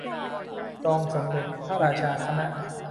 รองสมเด็จพระราชาคณะ